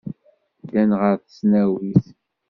Ddan ɣer tesnawit.